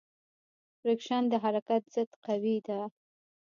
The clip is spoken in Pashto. فریکشن د حرکت ضد قوې ده.